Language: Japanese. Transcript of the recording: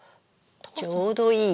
ちょうどいいや。